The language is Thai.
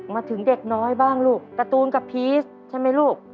มาถึงเด็กน้อยบ้างลูกการ์ตูนกับพีชใช่ไหมลูก